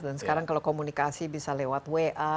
dan sekarang kalau komunikasi bisa lewat wa